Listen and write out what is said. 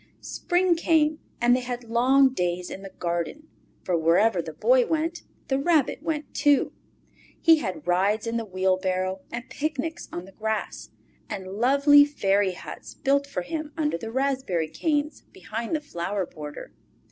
Spring came, and they had long days in the garden, for wherever the Boy went the Rabbit went too. He had rides in the wheelbarrow, and picnics on the grass, and lovely fairy huts built for him under the raspberry canes behind the flower border.